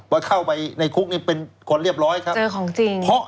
เป็นใครคุกเนี่ยเป็นคนเรียบร้อยครับ